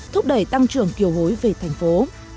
thúc đẩy tăng trưởng kiêu hối về thành phố